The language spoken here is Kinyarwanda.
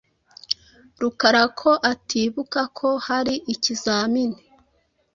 Rukara ko atibuka ko hari ikizamini .